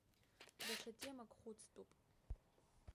Даҽа темак хәыцтәуп.